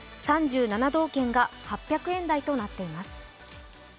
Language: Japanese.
３７道県が８００円台となっています。